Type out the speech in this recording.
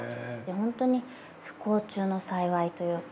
本当に不幸中の幸いというか。